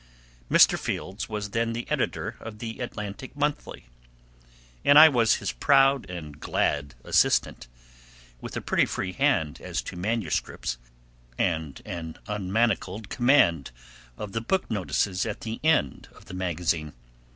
Mr. Fields was then the editor of The Atlantic Monthly, and I was his proud and glad assistant, with a pretty free hand as to manuscripts, and an unmanacled command of the book notices at the end of the magazine.